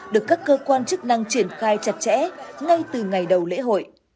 được các cơ quan chức năng triển khai chặt chẽ ngay từ ngày đầu lễ hội